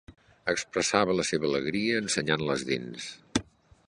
Expressava la seva alegria ensenyant les dents.